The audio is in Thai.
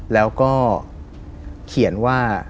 แล้วก็เขียนว่า